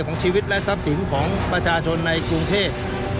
ของชีวิตและทรัพย์สินของประชาชนในกรุงเทพ